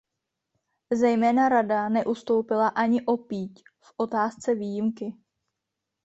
Zejména Rada neustoupila ani o píď v otázce výjimky.